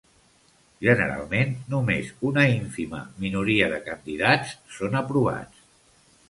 Generalment, només una ínfima minoria de candidats són aprovats.